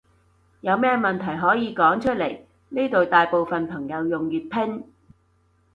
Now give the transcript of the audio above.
有咩問題可以講出來，呢度大部分朋友用粵拼